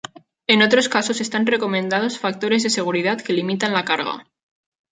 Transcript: En otros casos están recomendados factores de seguridad que limitan la carga.